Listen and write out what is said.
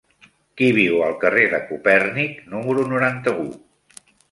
Qui viu al carrer de Copèrnic número noranta-u?